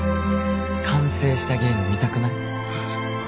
完成したゲーム見たくない？